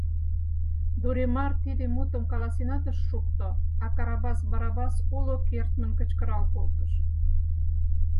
Дуремар тиде мутым каласенат ыш шукто, а Карабас Барабас уло кертмын кычкырал колтыш: